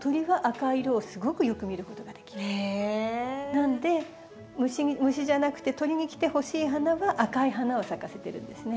なんで虫じゃなくて鳥に来てほしい花は赤い花を咲かせてるんですね。